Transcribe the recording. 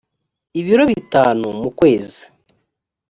ibiro bitanu mu kwezi